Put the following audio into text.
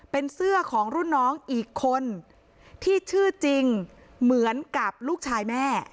เป็นเสื้อของรุ่นน้องอีกคนที่ชื่อจริงเหมือนกับลูกชายแม่